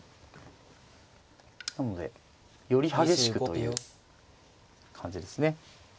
なのでより激しくという感じですね。